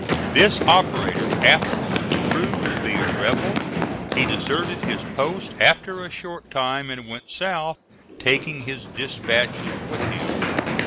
This operator afterwards proved to be a rebel; he deserted his post after a short time and went south taking his dispatches with him.